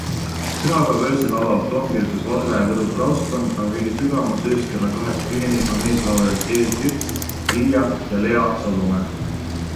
Pühapäeva öösel laulavad toomkirikus Valga ja Võru praostkond, aga kõige sügavamas öös kella kahest viieni on eeslauljad Eerik Jõks, Lia ja Lea Salumäe.